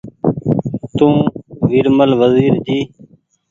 تو ويرمل وزير جي